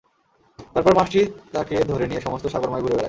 তারপর মাছটি তাকে ধরে নিয়ে সমস্ত সাগরময় ঘুরে বেড়ায়।